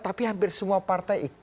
tapi hampir semua partai